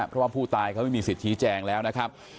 เพราะว่าผู้ตายเขาไม่มีสิทธิแจงแล้วนะครับ